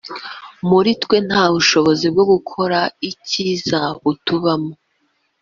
Muri twe nta bushobozi bwo gukora icyiza butubamo